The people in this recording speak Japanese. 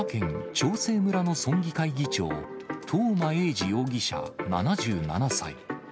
長生村の村議会議長、東間永次容疑者７７歳。